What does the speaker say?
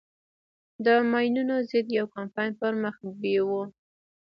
د ماينونو ضد يو کمپاين پر مخ بېوه.